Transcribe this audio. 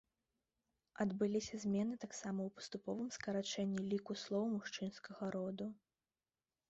Адбыліся змены таксама ў паступовым скарачэнні ліку слоў мужчынскага роду.